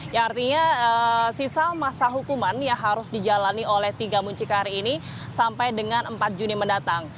yang artinya sisa masa hukuman yang harus dijalani oleh tiga muncikari ini sampai dengan empat juni mendatang